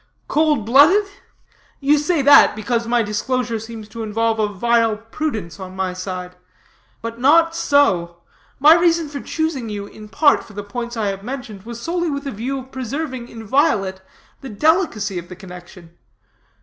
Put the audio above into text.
Cold blooded? You say that, because my disclosure seems to involve a vile prudence on my side. But not so. My reason for choosing you in part for the points I have mentioned, was solely with a view of preserving inviolate the delicacy of the connection.